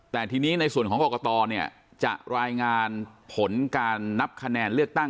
แต่ทีนี้ในส่วนของกรกตเนี่ยจะรายงานผลการนับคะแนนเลือกตั้ง